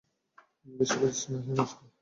বেশি বুঝিস না, আয় আমার সাথে।